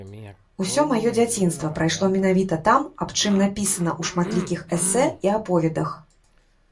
Усё маё дзяцінства прайшло менавіта там, аб чым напісана ў шматлікіх эсэ і аповедах.